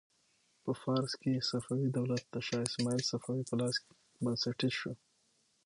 په فارس کې صفوي دولت د شا اسماعیل صفوي په لاس بنسټیز شو.